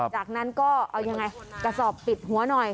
จากนั้นก็เอายังไงกระสอบปิดหัวหน่อย